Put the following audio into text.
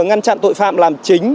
ngăn chặn tội phạm làm chính